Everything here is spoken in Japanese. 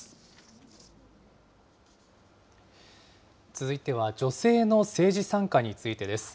続いては、女性の政治参加についてです。